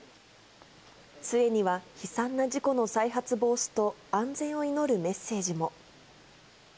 つえには、悲惨な事故の再発防止と安全を祈るメッセージも。